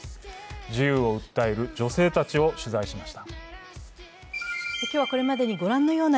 自由を訴える女性たちを取材しました。